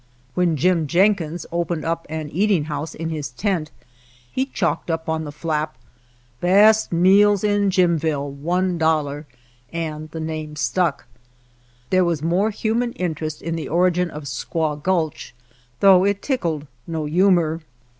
When Jim Jenkins opened an eating house in his tent he chalked up on the flap, " Best meals in Jimville, ^i.oo," and the name stuck. There was more human interest in the origin of Squaw Gulch, though it tickled no humor.